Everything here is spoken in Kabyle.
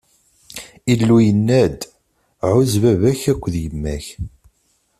Illu yenna-d: Ɛuzz baba-k akked yemma-k.